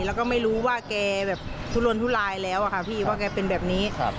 เราก็ไม่รู้ว่าแกทุนลนทุนลายแล้วว่าแกเป็นแบบนี้